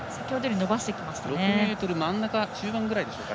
６ｍ中盤ぐらいでしょうか。